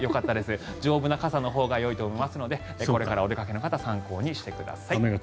今日は丈夫な傘のほうがよいと思いますのでこれからお出かけの方参考にしてください。